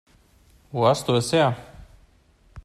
Wo hast du es her?